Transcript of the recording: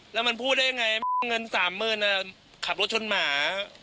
แล้วมันพูดได้ยังไงเงินสามหมื่นอ่ะขับรถชนหมา